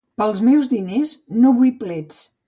Pels meus diners no vull plets.